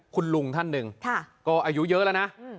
คุณลุงท่านหนึ่งก็อายุเยอะแล้วนะ